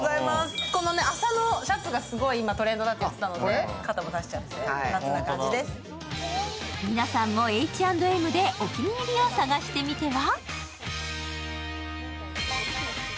麻のシャツがトレンドだと言っていたので、肩も出しちゃって皆さんもＨ＆Ｍでお気に入りを探してみては？